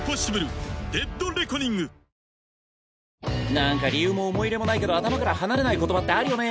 なんか理由も思い入れもないけど頭から離れない言葉ってあるよね。